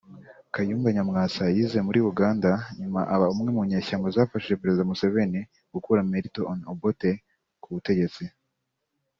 Kayumba Nyamwasa yize muri Uganda nyuma aba umwe munyeshyamba zafashije Perezida Museveni gukura Militon Obote ku butegetsi